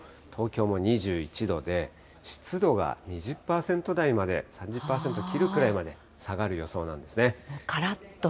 東京も２１度で、湿度が２０％台まで、３０％切るくらいまで下がる予想なんですね。